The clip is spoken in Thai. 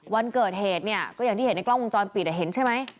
วันเกิดเหตุเนี่ยก็อย่างที่เห็นในกล้องวงจรปิดเห็นใช่ไหม